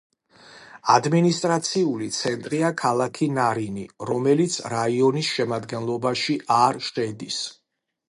ადმინისტრაციული ცენტრია ქალაქი ნარინი, რომელიც რაიონის შემადგენლობაში არ შედის.